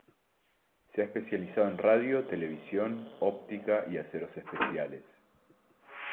Se ha especializado en radio, televisión, óptica y aceros especiales.